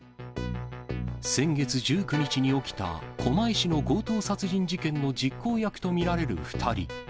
先月１９日に起きた狛江市の強盗殺人事件の実行役と見られる２人。